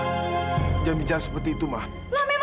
ibu jangan bicara seperti itu ibu